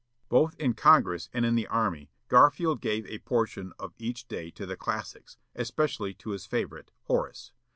Both in Congress and in the army Garfield gave a portion of each day to the classics, especially to his favorite, Horace.